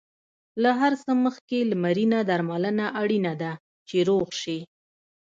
له هر څه مخکې لمرینه درملنه اړینه ده، چې روغ شې.